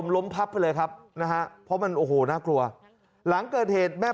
ล้มพับไปเลยครับนะฮะเพราะมันโอ้โหน่ากลัวหลังเกิดเหตุแม่